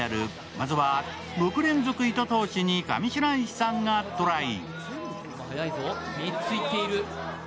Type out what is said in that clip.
まずは６連続糸通しに上白石さんがトライ。